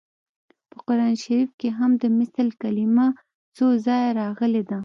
په قران شریف کې هم د مثل کلمه څو ځایه راغلې ده